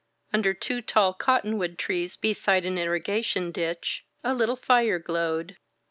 Under two tall cotton wood trees beside an ir rigation ditch a little fire glowed.